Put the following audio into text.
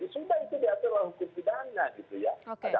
sudah itu diatur oleh hukum pidana gitu ya